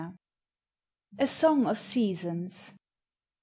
A SONG OF SEASONS.